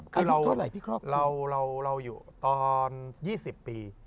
คือเราอยู่ตอน๒๐ปี